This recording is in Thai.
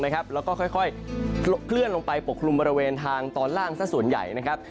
แล้วก็ค่อยเคลื่อนลงไปปกคลุมบริเวณทางตอนล่างสักส่วนใหญ่นะครับ